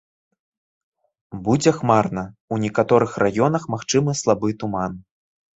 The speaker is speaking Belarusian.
Будзе хмарна, у некаторых раёнах магчымы слабы туман.